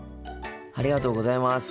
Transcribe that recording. ありがとうございます。